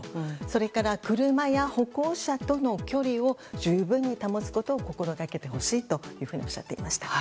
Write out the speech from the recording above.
それから、車や歩行者との距離を十分に保つことを心掛けてほしいとおっしゃっていました。